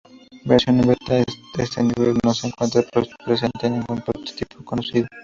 Versión beta: Éste nivel no se encuentra presente en ningún prototipo conocido.